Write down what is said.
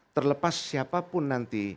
terlepas siapapun nanti